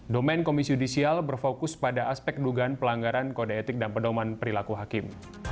domen komisi yudisial berfokus pada aspek dugaan pelanggaran kode etik dan pedoman perilaku hakim